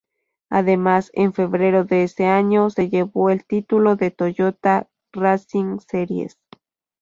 Además, en febrero de ese año, se llevó el título de Toyota Racing Series.